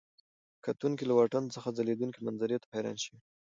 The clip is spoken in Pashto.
کتونکي له واټن څخه ځلېدونکي منظرې ته حیران شوي.